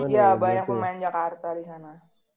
ya banyak pemain jakarta di sana